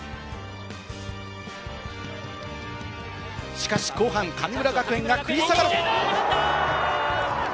しかし後半、神村学園が食い下がり。